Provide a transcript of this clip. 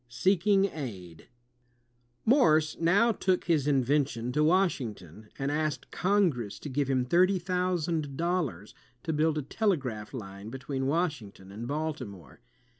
Seeking Aid Morse now took his invention to Washington and asked Congress to give him thirty thousand dollars to build a telegraph line between Washington and Baltimore.